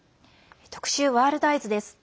特集「ワールドＥＹＥＳ」です。